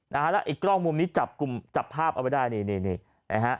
แล้วอีกกล้องมุมนี้จับภาพเอาไว้ได้